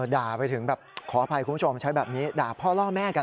ด่าไปถึงแบบขออภัยคุณผู้ชมใช้แบบนี้ด่าพ่อล่อแม่กัน